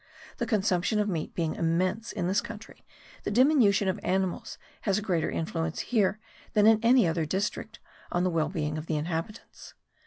The consumption of meat being immense in this country the diminution of animals has a greater influence here than in any other district on the well being of the inhabitants.